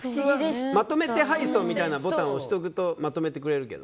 確かにまとめて配送みたいなボタンを押しておくとまとめてくれるけど。